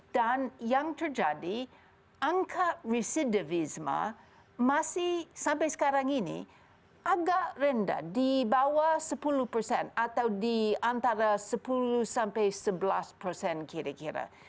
dan yang terjadi angka residivisme masih sampai sekarang ini agak rendah di bawah sepuluh persen atau di antara sepuluh sampai sebelas persen kira kira